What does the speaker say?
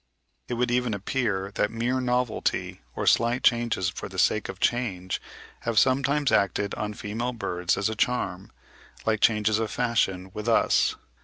It would even appear that mere novelty, or slight changes for the sake of change, have sometimes acted on female birds as a charm, like changes of fashion with us.